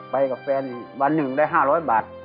ไปกับแฟนอีกวันหนึ่งได้๕๐๐บาท